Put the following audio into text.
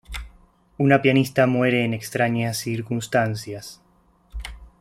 Una pianista muere en extrañas circunstancias.